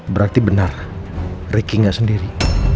berarti benar ricky nggak sendiri